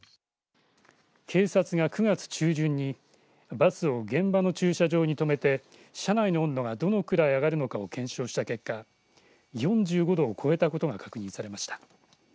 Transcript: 警察が９月中旬にバスを現場の駐車場に止めて車内の温度がどのくらい上がるのかを検証した結果４５度を超えたことが確認されました。